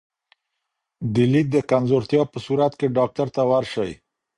د لید د کمزورتیا په صورت کې ډاکټر ته ورشئ.